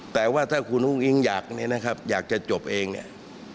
แต่ว่าถ้าคุณอุ้งอิงอยากเนี่ยนะครับอยากจะจบเองเนี่ย